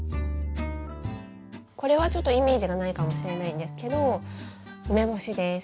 これはちょっとイメージがないかもしれないんですけど梅干しです。